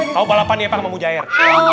kamu balapan ye pak sama mujaer